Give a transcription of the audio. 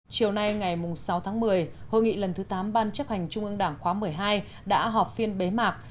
chiều nay ngày sáu tháng một mươi hội nghị lần thứ tám ban chấp hành trung ương đảng khóa một mươi hai đã họp phiên bế mạc